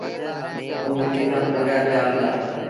کوه مٽيٚ سآݩ پُوريآ پيآ هُݩدآ۔